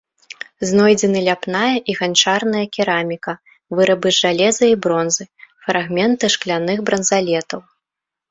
Знойдзены ляпная і ганчарная кераміка, вырабы з жалеза і бронзы, фрагменты шкляных бранзалетаў.